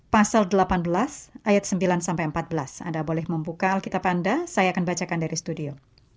pasal delapan belas ayat sembilan sampai empat belas anda boleh membuka alkitab anda saya akan bacakan dari studio